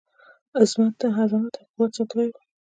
عظمت او قوت ساتلی وو.